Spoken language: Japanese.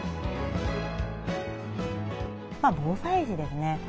防災時ですね